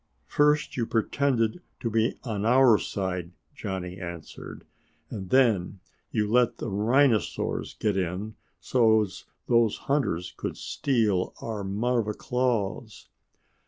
"First you pretended to be on our side," Johnny answered, "and then you let the rhinosaurs get in so's those hunters could steal our marva claws."